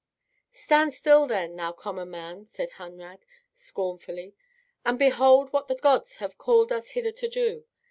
"Stand still, then, thou common man," said Hunrad, scornfully, "and behold what the gods have called us hither to do.